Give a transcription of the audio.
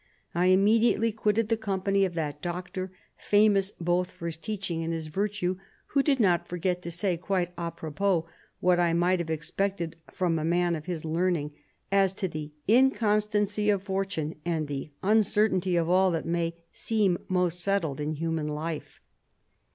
I immediately quitted the company of that doctor, famous both for his teaching and his virtue, who did not forget to say quite a propos what I might have expected from a man of his learning — as to the inconstancy of fortune and the uncer tainty of all that may seem most settled in human life."